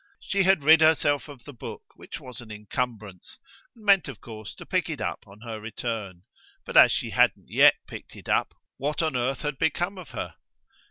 She had rid herself of the book, which was an encumbrance, and meant of course to pick it up on her return; but as she hadn't yet picked it up what on earth had become of her?